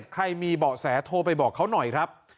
๐๙๒๘๗๔๗๑๙๗ใครมีเบาะแสโทรไปบอกเขาหน่อยครับ